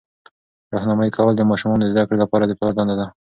راهنمایي کول د ماشومانو د زده کړې لپاره د پلار دنده ده.